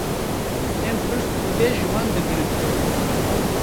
Em pir sûdê ji wan digirin.